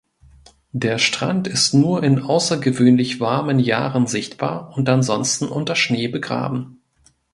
Der Strand ist nur in außergewöhnlich warmen Jahren sichtbar und ansonsten unter Schnee begraben.